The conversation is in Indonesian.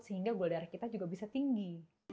sehingga gula darah kita juga bisa tinggi